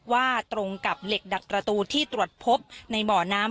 ว่าตรงกับเหล็กดักประตูที่ตรวจพบในบ่อน้ำ